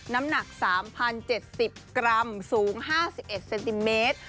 น้ำหนัก๓๐๗๐กรัมสูง๕๑เซนติเมตร